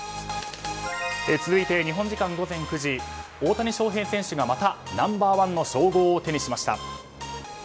続いて日本時間午前９時大谷翔平選手がまた、ナンバー１の称号を手にしました。